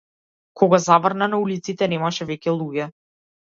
Кога заврна на улиците немаше веќе луѓе.